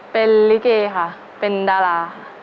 เป็นลิเกค่ะเป็นดาราค่ะ